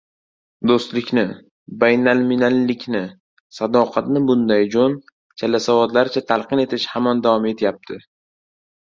Do‘stlikni, baynalminallikni, sadoqatni bunday jo‘n, chalasavodlarcha talqin etish hamon davom etyapti.